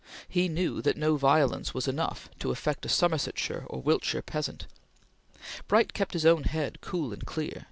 He knew that no violence was enough to affect a Somersetshire or Wiltshire peasant. Bright kept his own head cool and clear.